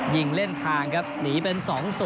ยิงเล่นทางครับหนีเป็น๒๐